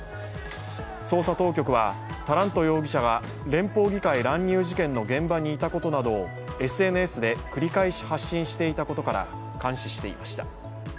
捜査当局は、タラント容疑者が連邦議会乱入事件の現場にいたことなどをＳＮＳで繰り返し発信していたことから監視していました。